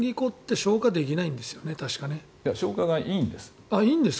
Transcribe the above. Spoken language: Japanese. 消化がいいんです。